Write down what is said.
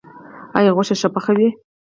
ایا غوښه ښه پخوئ؟